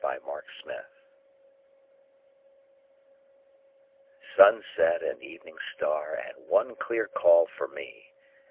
Y Z Crossing the Bar SUNSET and evening star, And one clear call for me!